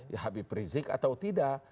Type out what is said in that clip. ya habib rizik atau tidak